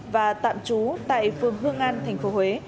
và tạm trú tại phường hương an thành phố huế